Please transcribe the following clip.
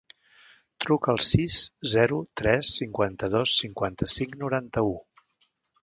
Truca al sis, zero, tres, cinquanta-dos, cinquanta-cinc, noranta-u.